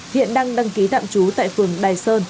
hiện đang đăng ký tạm chú tại phương đài sơn